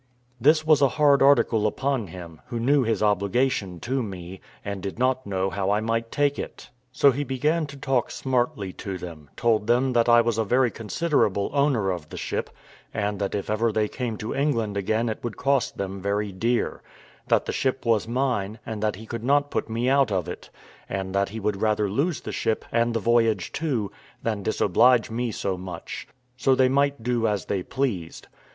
This was a hard article upon him, who knew his obligation to me, and did not know how I might take it. So he began to talk smartly to them; told them that I was a very considerable owner of the ship, and that if ever they came to England again it would cost them very dear; that the ship was mine, and that he could not put me out of it; and that he would rather lose the ship, and the voyage too, than disoblige me so much: so they might do as they pleased.